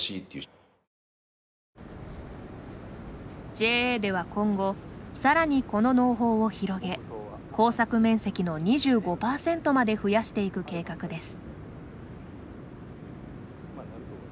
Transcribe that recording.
ＪＡでは今後さらに、この農法を広げ耕作面積の２５％まで増やしていく計画です。